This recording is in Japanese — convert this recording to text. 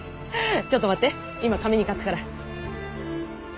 ちょっと待って今紙に書くから。